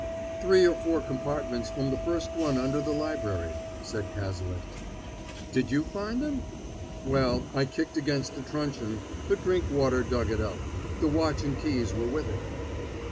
"Three or four compartments from the first one under the library," said Cazalet. "Did you find them?" "Well, I kicked against the truncheon, but Drinkwater dug it up. The watch and keys were with it."